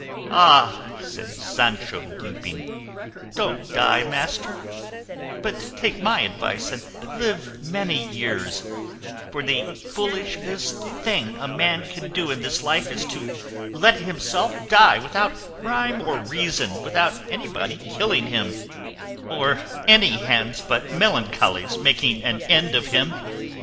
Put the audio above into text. "Ah!" said Sancho weeping, "don't die, master, but take my advice and live many years; for the foolishest thing a man can do in this life is to let himself die without rhyme or reason, without anybody killing him, or any hands but melancholy's making an end of him.